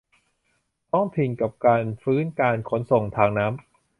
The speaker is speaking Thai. ท้องถิ่นกับการฟื้นการขนส่งทางน้ำ